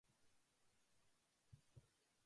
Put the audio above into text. インドネシアの首都はジャカルタである